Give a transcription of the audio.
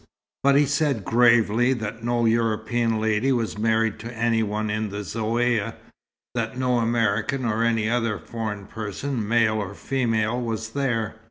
But he said gravely that no European lady was married to any one in the Zaouïa; that no American or any other foreign person, male or female, was there.